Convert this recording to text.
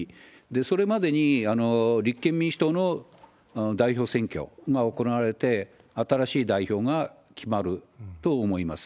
それまでに立憲民主党の代表選挙が行われて、新しい代表が決まると思います。